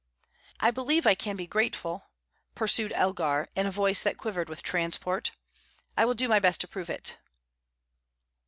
"I believe I can be grateful," pursued Elgar, in a voice that quivered with transport. "I will do my best to prove it."